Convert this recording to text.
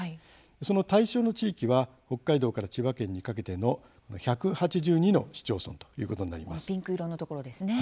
その対象の地域は北海道から千葉県にかけての１８２の市町村ピンク色のところですね。